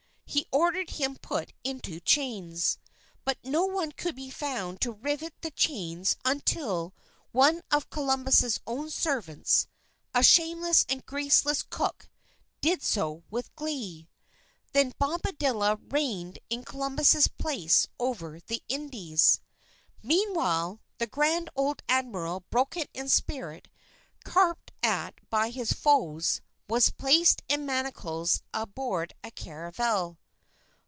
He ordered him put into chains. But no one could be found to rivet the chains until one of Columbus's own servants, "a shameless and graceless cook," did so with glee. Then Bobadilla reigned in Columbus's place over the Indies. Meanwhile, the grand old Admiral broken in spirit, carped at by his foes, was placed in manacles aboard a caravel.